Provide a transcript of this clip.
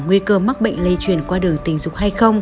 nguy cơ mắc bệnh lây truyền qua đường tình dục hay không